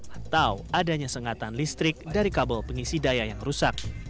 atau adanya sengatan listrik dari kabel pengisi daya yang rusak